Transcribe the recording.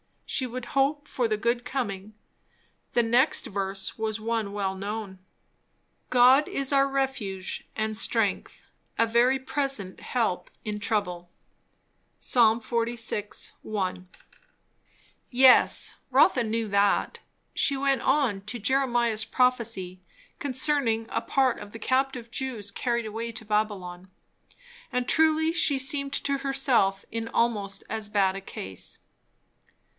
She would hope for the good coming. The next verse was one well known. "God is our refuge and strength, a very present help in trouble." Ps. xlvi. 1. Yes, Rotha knew that. She went on, to Jeremiah's prophecy concerning a part of the captive Jews carried away to Babylon. And truly she seemed to herself in almost as bad a case.